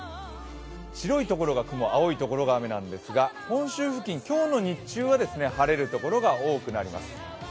白いところが雲、青いところが雨なんですが本州付近、今日の日中は晴れる所が多くなります。